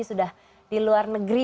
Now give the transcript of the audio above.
sudah di luar negeri